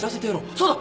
そうだ。